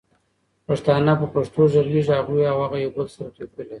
پښتانه په پښتو غږيږي هغوي او هغه يو بل سره توپير لري